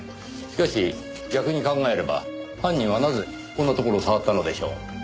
しかし逆に考えれば犯人はなぜこんなところを触ったのでしょう？